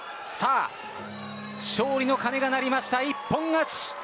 勝利の鐘が鳴りました一本勝ち。